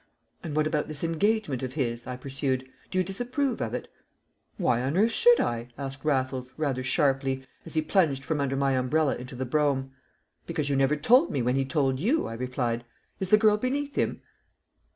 "And what about this engagement of his?" I pursued. "Do you disapprove of it?" "Why on earth should I?" asked Raffles, rather sharply, as he plunged from under my umbrella into the brougham. "Because you never told me when he told you," I replied. "Is the girl beneath him?"